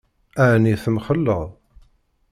Ɛni temxelleḍ?